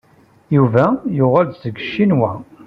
Yuba yuɣal-d seg Ccinwa.